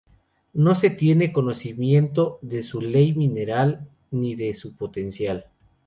No se tiene conocimiento de su Ley Mineral ni de su potencial.